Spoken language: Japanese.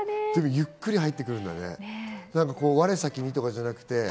ゆっくり入ってくるんだね、我先にとかじゃなくて。